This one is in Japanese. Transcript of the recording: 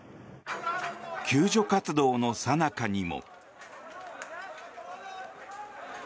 救助活動のさなかにも。